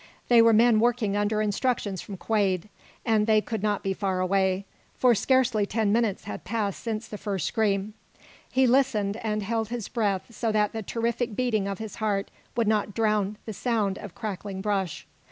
They were men working under instructions from Quade. And they could not be far away, for scarcely ten minutes had passed since the first scream. He listened, and held his breath so that the terrific beating of his heart would not drown the sound of crackling brush.